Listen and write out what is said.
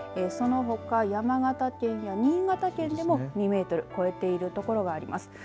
そのほか山形県や新潟県でも２メートル超えている所があります。